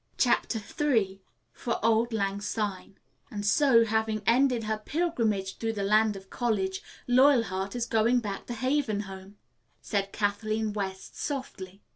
CHAPTER III FOR AULD LANG SYNE "And so, having ended her pilgrimage through the Land of College, Loyalheart is going back to Haven Home," said Kathleen West softly.